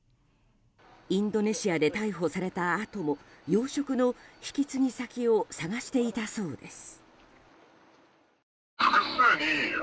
インドネシアで逮捕されたあとも養殖の引き継ぎ先を探していたそうです。